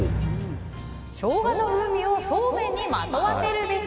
ショウガの風味をそうめんにまとわせるべし。